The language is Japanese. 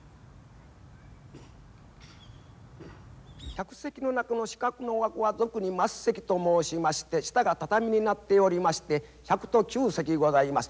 客席の中の四角の枠は俗に升席と申しまして下が畳になっておりまして１００と９席ございます。